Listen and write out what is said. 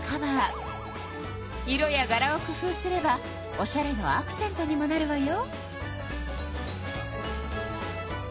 色やがらを工夫すればおしゃれのアクセントにもなるわよ。